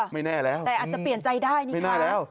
ไม่แน่แล้วไม่แน่แล้วแต่อาจจะเปลี่ยนใจได้นี่ค่ะไม่แน่แล้ว